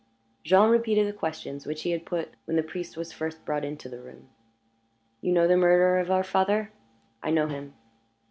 Jean repeated the questions which he had put when the priest was first brought into the room. "You know the murderer of our father?" "I know him."